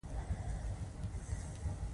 کوچ یا روزونکی دوی ته لارښوونه کوي.